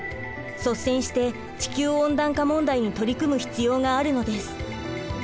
率先して地球温暖化問題に取り組む必要があるのです。